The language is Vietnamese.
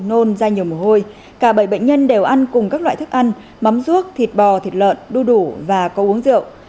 nôn ra nhiều mồ hôi cả bảy bệnh nhân đều ăn cùng các loại thức ăn mắm rút thịt bò thịt lợn đu đủ và có uống rượu